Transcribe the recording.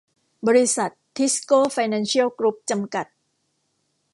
บริษัท ทิสโก้ไฟแนนเชียลกรุ๊ป จำกัด